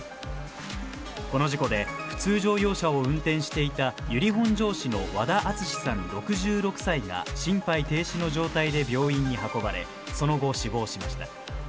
この事故で、普通乗用車を運転していた由利本荘市の和田篤さん６６歳が、心肺停止の状態で病院に運ばれ、その後、死亡しました。